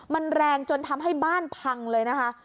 มันแรงจนทำให้บ้านพังเลยนะคะ